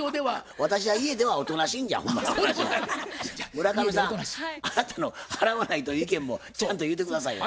村上さんあなたの払わないという意見もちゃんと言うて下さいよ。